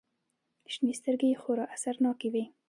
شنې سترگې يې خورا اثرناکې وې.